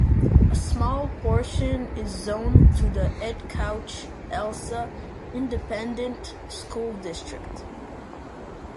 A small portion is zoned to the Edcouch-Elsa Independent School District.